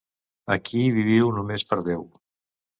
Aquí viviu només per Déu.